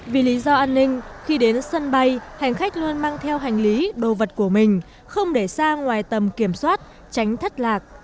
vì lý do an ninh khi đến sân bay hành khách luôn mang theo hành lý đồ vật của mình không để xa ngoài tầm kiểm soát tránh thất lạc